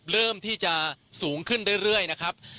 เริ่มที่จะสูงขึ้นเรื่อยนะครับ